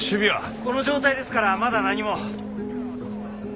この状態ですからまだ何も。